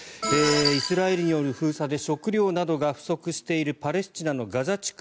イスラエルによる封鎖で食料などが不足しているパレスチナのガザ地区